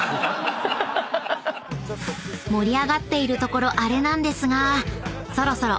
［盛り上がっているところあれなんですが］